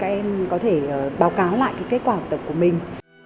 các em có thể báo cáo lại kết quả học tập của mình